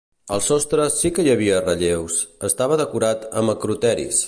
Al sostre sí que hi havia relleus, estava decorat amb acroteris.